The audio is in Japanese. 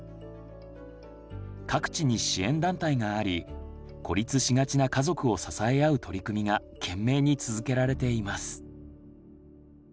各地に支援団体があり孤立しがちな家族を支え合う取り組みが懸命に続けられています。